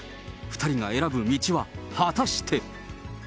２人が選ぶ道は果たして。